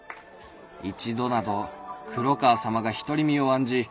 一度など黒川様がひとり身を案じ